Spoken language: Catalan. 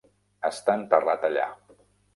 Està enterrat allà.